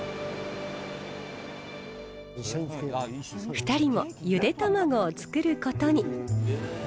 ２人もゆで卵を作ることに。